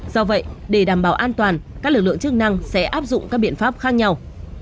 do vậy để đảm bảo an toàn các lực lượng chức năng sẽ áp dụng các biện pháp khác nhau